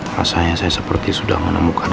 rasanya saya seperti sudah menemukan